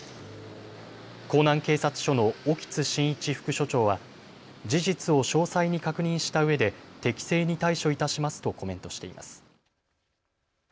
港南警察署の興津進一副署長は事実を詳細に確認したうえで適正に対処いたしますとコメントしています。